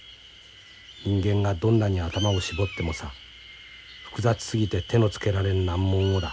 人間がどんなに頭を絞ってもさ複雑すぎて手のつけられん難問をだ